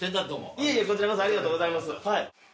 いえいえこちらこそありがとうございます。